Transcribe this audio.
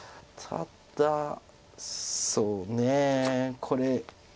ただそうねこれ。